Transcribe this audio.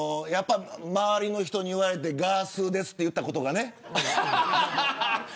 周りの人に言われてガースーですと言ったことがね。